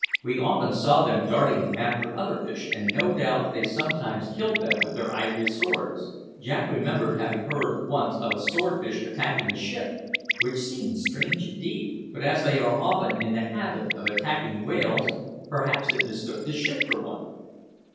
We often saw them darting after other fish, and no doubt they sometimes killed them with their ivory swords. Jack remembered having heard once of a swordfish attacking a ship, which seemed strange indeed; but as they are often in the habit of attacking whales, perhaps it mistook the ship for one.